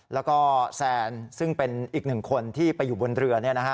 แล้วก็แซนซึ่งเป็นอีกหนึ่งคนที่ไปอยู่บนเรือ